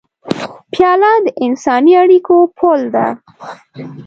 پیاله د انساني اړیکو پُل ده.